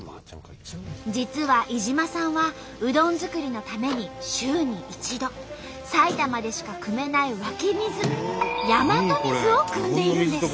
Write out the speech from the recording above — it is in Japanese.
実は井島さんはうどん作りのために週に一度埼玉でしかくめない湧き水日本水をくんでいるんです。